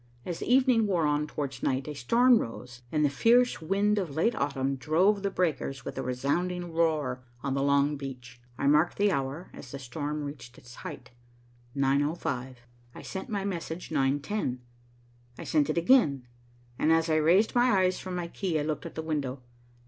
As the evening wore on towards night, a storm rose, and the fierce wind of late autumn drove the breakers with a resounding roar on the long beach. I marked the hour, as the storm reached its height, 9.05. I sent my message, 9.10. I sent it again, and as I raised my eyes from my key I looked at the window.